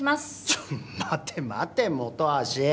ちょ待て待て本橋。